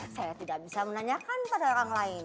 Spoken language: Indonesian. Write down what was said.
saya tidak bisa menanyakan pada orang lain